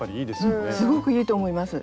うんすごくいいと思います。